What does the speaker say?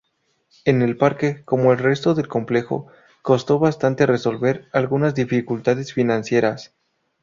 En el parque, como el resto del complejo, costó bastante resolver algunas dificultades financieras.